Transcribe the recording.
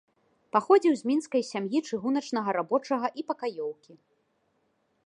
Паходзіў з мінскай сям'і чыгуначнага рабочага і пакаёўкі.